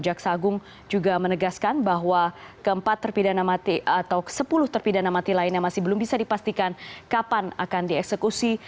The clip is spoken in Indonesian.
jaksa agung juga menegaskan bahwa keempat terpidana mati atau sepuluh terpidana mati lainnya masih belum bisa dipastikan kapan akan dieksekusi